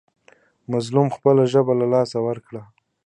مظلوم خپله ژبه له لاسه ورکوي.